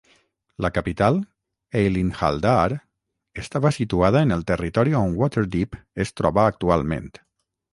La capital, Aelinthaldaar, estava situada en el territori on Waterdeep es troba actualment.